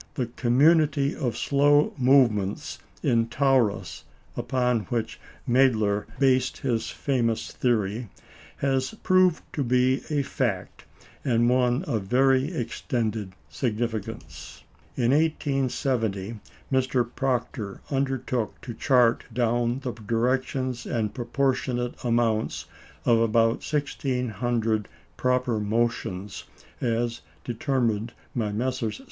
The community of slow movement in Taurus, upon which Mädler based his famous theory, has proved to be a fact, and one of very extended significance. In 1870 Mr. Proctor undertook to chart down the directions and proportionate amounts of about 1,600 proper motions, as determined by Messrs.